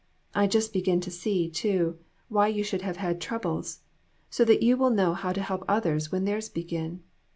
I just begin to see, too, why you should have had troubles ; so that you will know how to help others when theirs begin.